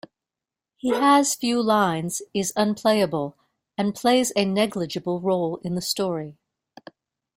He has few lines, is unplayable and plays a negligible role in the story.